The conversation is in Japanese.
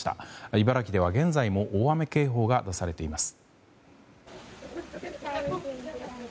茨城では現在も大雨警報が出されています。